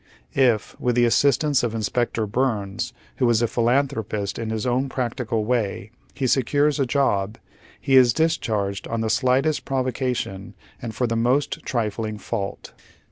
If, with the assistance of Inspector Byrnes, who is a philanthropist in liis own practical way, he secures a job, he is discharged on the slightest provocation, and for the most trifling fault.